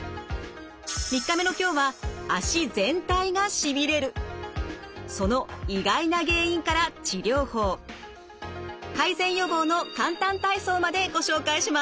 ３日目の今日はその意外な原因から治療法改善・予防の簡単体操までご紹介します。